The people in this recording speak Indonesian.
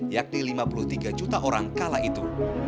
yakni lima puluh tiga juta orang kala itu